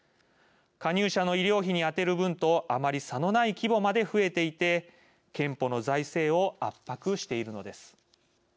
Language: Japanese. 加入者の医療費に充てる分とあまり差のない規模まで増えていて健保の財政を圧迫しているのです。